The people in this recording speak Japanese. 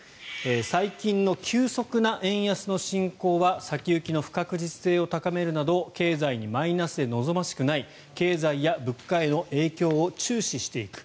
最近の急速な円安の進行は先行きの不確実性を高めるなど経済にマイナスで望ましくない経済や物価への影響を注視していく。